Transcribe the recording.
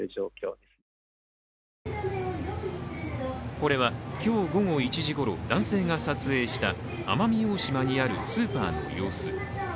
これは今日午後１時ごろ男性が撮影した奄美大島にあるスーパーの様子。